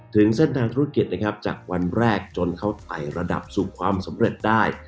ถึงเส้นทางธุรกิจนะครับจากวันแรกจนเขาไต่ระดับสู่ความสำเร็จได้